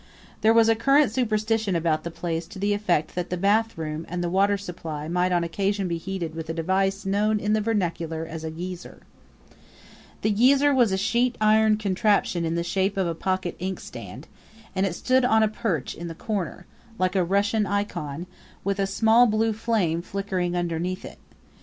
There was a current superstition about the place to the effect that the bathroom and the water supply might on occasion be heated with a device known in the vernacular as a geezer. The geezer was a sheet iron contraption in the shape of a pocket inkstand, and it stood on a perch in the corner, like a Russian icon, with a small blue flame flickering beneath it.